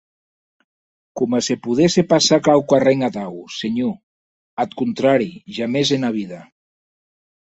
Coma se podesse passar quauquarren atau, senhor; ath contrari, jamès ena vida.